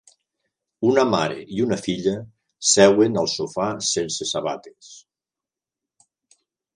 Una mare i una filla seuen al sofà sense sabates.